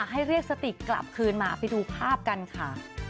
ให้เรียกสติกลับคืนมาไปดูภาพกันค่ะ